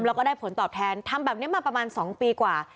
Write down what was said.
แล้วก็ได้ผลตอบแทนทำแบบนี้มาประมาณ๒ปีกว่า